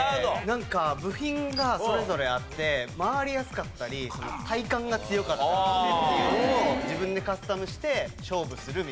なんか部品がそれぞれあって回りやすかったり体幹が強かったりしてっていうのを自分でカスタムして勝負するみたいな。